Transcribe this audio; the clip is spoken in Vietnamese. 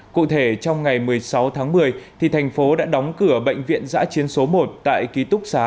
cụ thể trong ngày một mươi sáu tháng một mươi thành phố đã đóng cửa bệnh viện giã chiến số một tại ký túc xá